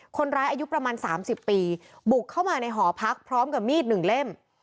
อายุประมาณ๓๐ปีบุกเข้ามาในหอพักพร้อมกับมีดหนึ่งเล่ม